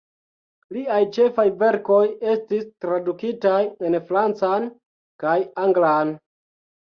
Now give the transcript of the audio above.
Liaj ĉefaj verkoj estis tradukitaj en francan kaj anglan.